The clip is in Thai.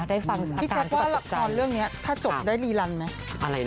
ได้ฟังสักการณ์ของประจกตาพี่แจ๊บว่าละครเรื่องนี้ถ้าจบได้รีลันไหม